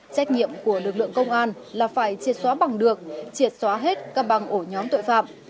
trách nhiệm của lực lượng công an là phải triệt xóa bằng được triệt xóa hết các băng ổ nhóm tội phạm